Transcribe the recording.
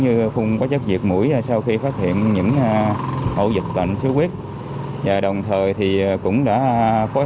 như phun hóa chất diệt mũi sau khi phát hiện những ổ dịch tệnh xuất huyết và đồng thời cũng đã phối